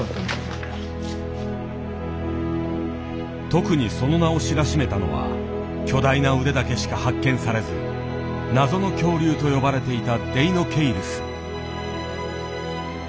特にその名を知らしめたのは巨大な腕だけしか発見されず謎の恐竜と呼ばれていたデイノケイルス。